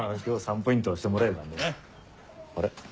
今日３ポイント押してもらえばねあれ？